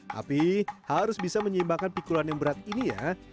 tapi harus bisa menyeimbangkan pikulan yang berat ini ya